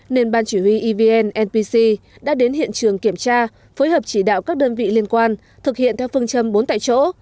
nên ban chỉ huy evn npc đã đến hiện trường kiểm tra phối hợp chỉ đạo các đơn vị liên quan thực hiện theo phương châm bốn tại chỗ